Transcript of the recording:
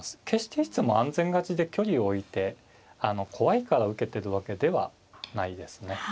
決していつも安全勝ちで距離を置いて怖いから受けてるわけではないですね。